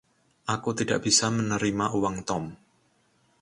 Aku tidak bisa menerima uang Tom.